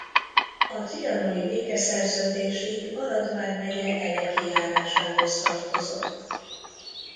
A trianoni békeszerződésig Arad vármegye Eleki járásához tartozott.